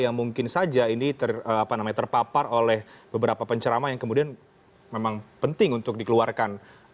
yang mungkin saja ini terpapar oleh beberapa pencerama yang kemudian memang penting untuk dikeluarkan